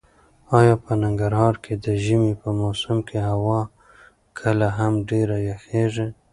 ایا په ننګرهار کې د ژمي په موسم کې هوا کله هم ډېره یخیږي؟